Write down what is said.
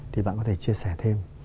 thì bạn có thể chia sẻ thêm